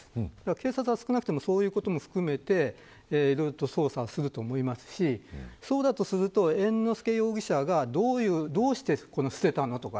警察は少なくともそういうことも含めていろいろと捜査すると思いますしそうだとすると、猿之助容疑者がどうして捨てたのか。